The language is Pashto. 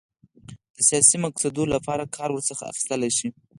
د سیاسي مقاصدو لپاره کار ورڅخه اخیستلای شي.